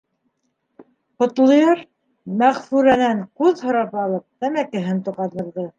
Ҡотлояр, Мәғфүрәнән ҡуҙ һорап алып, тәмәкеһен тоҡандырҙы.